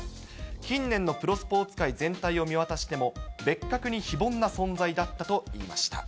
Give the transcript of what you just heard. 近年のプロスポーツ界全体を見渡しても、別格に非凡な存在だったと言いました。